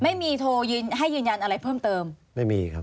ไม่มีโทรให้ยืนยันอะไรเพิ่มเติม